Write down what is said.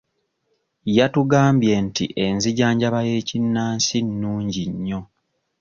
Yatugambye nti enzijanjaba y'ekinnansi nnungi nnyo.